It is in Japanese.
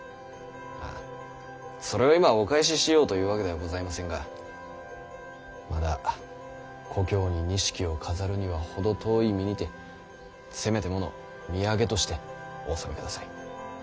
まあそれを今お返ししようというわけではございませんがまだ故郷に錦を飾るには程遠い身にてせめてもの土産としてお納めください。